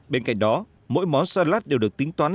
bên cạnh đó mỗi món salat đều được tính toán